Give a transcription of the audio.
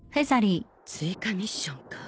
追加ミッションかぁ。